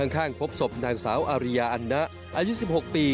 ข้างพบศพนางสาวอาริยาอันนะอายุ๑๖ปี